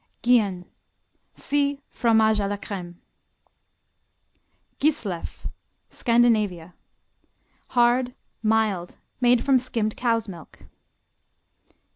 Gien see Fromage à la Crème. Gislev Scandinavia Hard; mild, made from skimmed cow's milk.